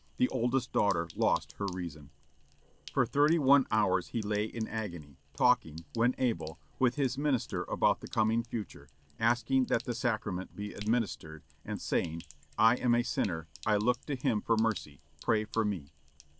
The oldest daughter lost her reason. For thirty one hours he lay in agony, talking, when able, with his minister about the coming future, asking that the sacrament be administered, and saying, "I am a sinner. I look to Him for mercy; pray for me."